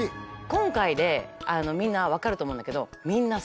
今回でみんな分かると思うんだけど。